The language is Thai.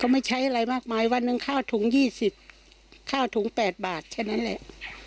ไม่ใช้อะไรมากมายวันหนึ่งข้าวถุง๒๐ข้าวถุง๘บาทแค่นั้นแหละ